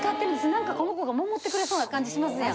何かこの子が守ってくれそうな感じしますやん。